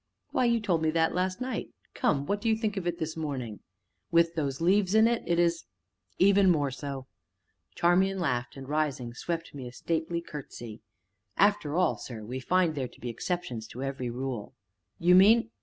"Why, you told me that last night come, what do you think of it this morning?" "With those leaves in it it is even more so!" Charmian laughed, and, rising, swept me a stately curtesy. "After all, sir, we find there be exceptions to every rule!" "You mean?"